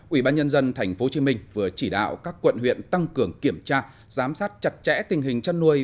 ubnd tp hcm vừa chỉ đạo các quận huyện tăng cường kiểm tra giám sát chặt chẽ tình hình chăn nuôi